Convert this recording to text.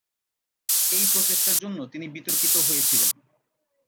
এই প্রচেষ্টার জন্য তিনি বিতর্কিত হয়েছিলেন।